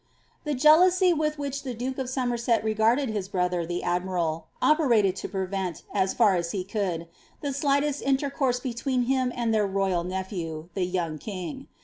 The jsnlmisy with which the Juke of Somereel regnrdcil his brnther Ibe atliiiirul. operated lo prevent, as far &b he could, ihe slightest inier eoar«e between him and their royal nephew, the young tiiiig.